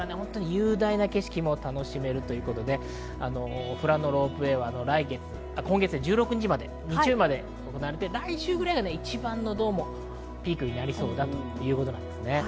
雄大な景色も楽しめるということで、富良野ロープウェーは今月１６日、日曜日まで行われて、来週ぐらいが一番のピークになりそうだということです。